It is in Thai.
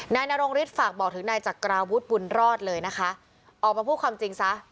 นายนรงฤทธิฝากบอกถึงนายจักราวุฒิบุญรอดเลยนะคะออกมาพูดความจริงซะ